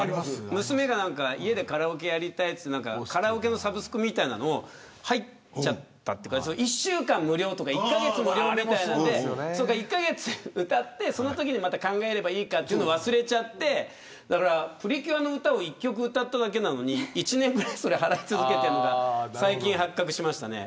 娘が家でカラオケやりたいって言ってカラオケのサブスクみたいなのに入っちゃったというか１週間無料とか、１カ月無料で１カ月歌ってそのときに、また考えればいいかというのを忘れていてプリキュアの歌を１曲歌っただけなのに１年ぐらい払い続けてたのが最近、発覚しましたね。